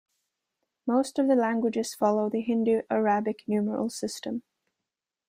Most of the languages follow the Hindu-Arabic numeral system.